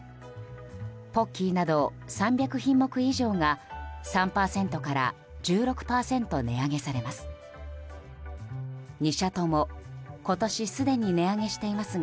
ポッキーなど３００品目以上が３％から１６％値上げされます。